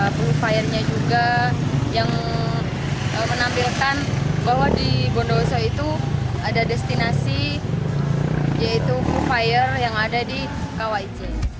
provire nya juga yang menampilkan bahwa di bondowoso itu ada destinasi yaitu pro fire yang ada di kyc